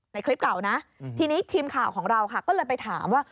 ในคลิปเก่านะทีนี้ทีมข่าวของเราค่ะก็เลยไปถามว่า